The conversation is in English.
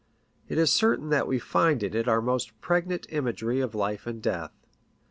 It is certain that we find in it our most pregnant imagery of life and death.